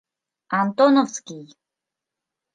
Антоновский!